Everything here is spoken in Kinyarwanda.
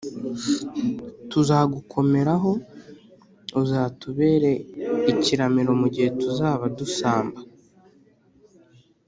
tuzagukomeraho! uzatubere ikiramiro mu gihe tuzaba dusamba